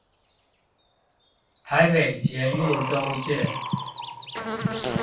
台北捷運棕線